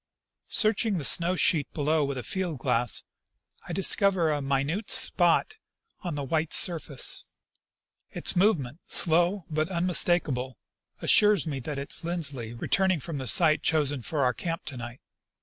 Searching the snow sheet below with a field glass, I discover a minute spot on the white surface. Its movement, slow but unmistakable, assures me that it is Lindsley returning from the site chosen for our camp to night.